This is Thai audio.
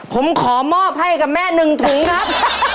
ผมขอมอบให้กับแม่๑ถุงครับ